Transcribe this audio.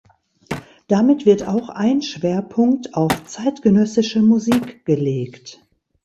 Damit wird auch ein Schwerpunkt auf zeitgenössische Musik gelegt.